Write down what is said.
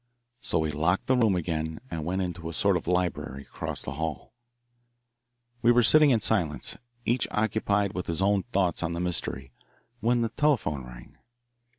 So we locked the room again and went into a sort of library across the hall. We were sitting in silence, each occupied with his own thoughts on the mystery, when the telephone rang.